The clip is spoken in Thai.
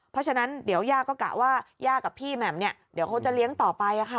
เพราะฉะนั้นเดี๋ยวย่าก็กะว่าย่ากับพี่แหม่มเดี๋ยวเขาจะเลี้ยงต่อไป